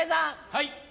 はい。